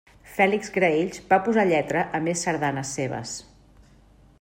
Fèlix Graells va posar lletra a més sardanes seves.